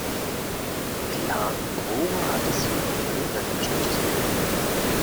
Die harten Drogen hatte sie unter dem Bett versteckt.